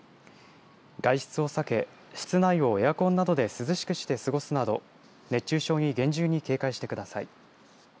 外出を避け室内をエアコンなどで涼しくして過ごすなど熱中症に厳重に警戒してください。